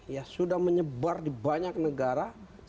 ya sudah menyebar di banyak negara